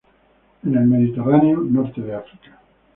En el Mediterráneo, norte de África.